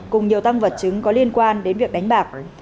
cùng nhiều tăng vật chứng có liên quan đến việc đánh bạc